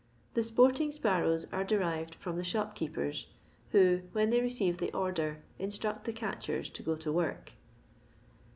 The sporting sparrows are derived from the shopkeepers, who^ when they receive the order, instract the calehen to go to work.